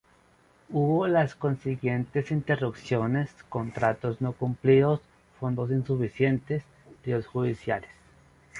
Hubo las consiguientes interrupciones, contratos no cumplidos, fondos insuficientes, líos judiciales.